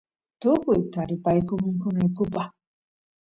tukuy taripayku mikunaykupaq